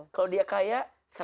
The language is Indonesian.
kalau dia kaya seratus